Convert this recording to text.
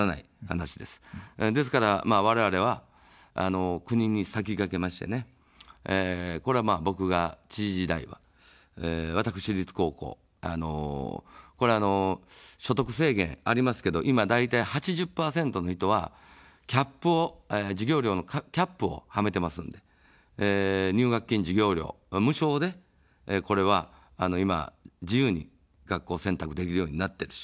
ですから、われわれは国に先駆けましてね、これは僕が知事時代は、私立高校、これは所得制限ありますけど、今大体８０％の人は、授業料のキャップをはめてますので、入学金、授業料無償でこれは今、自由に学校選択できるようになってるし。